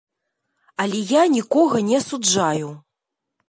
Але я нікога не асуджаю.